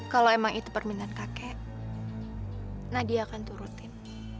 kalau emang itu permintaan kakek nadia akan turutin